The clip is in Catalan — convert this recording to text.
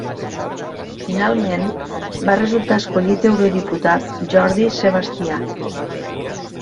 Finalment va resultar escollit eurodiputat Jordi Sebastià.